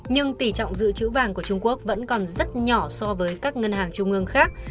nhưng tỷ trọng dự trữ vàng của trung quốc vẫn còn rất nhỏ so với các ngân hàng trung ương khác